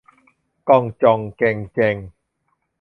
ก่องจ่องแก่งแจ่ง